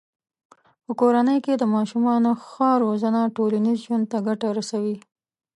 په کورنۍ کې د ماشومانو ښه روزنه ټولنیز ژوند ته ګټه رسوي.